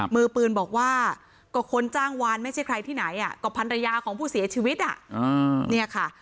มือปืนบอกว่าก็คนจ้างวานไม่ใช่ใครที่ไหนก็พันรยาของผู้เสียชีวิตเนี่ยค่ะ